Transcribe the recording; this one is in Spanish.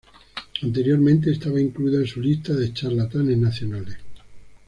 Anteriormente estaba incluido en su lista de Charlatanes Nacionales.